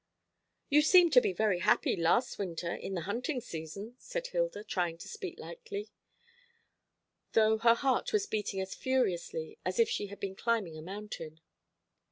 "You seemed to be very happy last winter in the hunting season," said Hilda, trying to speak lightly, though her heart was beating as furiously as if she had been climbing a mountain.